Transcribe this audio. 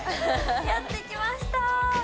やってきました。